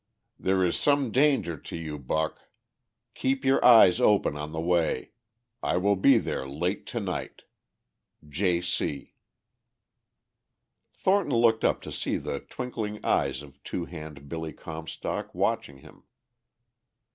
Theare is sum danger to you buck. Keap your eyes open on the way. I will be there late tonight. j.C. Thornton looked up to see the twinkling eyes of Two Hand Billy Comstock watching him.